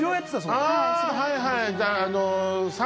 はいはい。